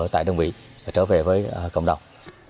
tại đồng ý và trở về với cộng đồng